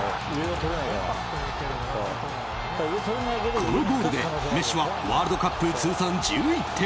このゴールで、メッシはワールドカップ通算１１点。